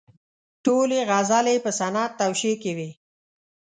ټولې غزلې یې په صنعت توشیح کې وې.